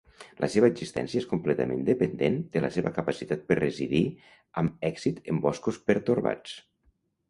La seva existència és completament dependent de la seva capacitat per residir amb èxit en boscos pertorbats.